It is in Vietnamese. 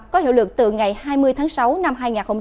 có hiệu lực từ ngày hai mươi tháng sáu năm hai nghìn hai mươi